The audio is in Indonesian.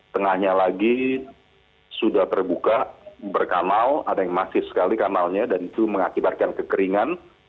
tengahnya lagi sudah terbuka berkamal ada yang masih sekali kamalnya dan itu mengakibatkan kekeringan